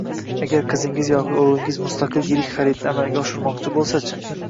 Agar qizingiz yoki o‘g‘lingiz mustaqil “yirik” xaridni amalga oshirmoqchi bo‘lsachi